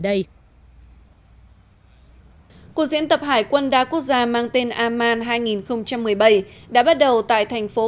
gần đây cuộc diễn tập hải quân đá quốc gia mang tên aman hai nghìn một mươi bảy đã bắt đầu tại thành phố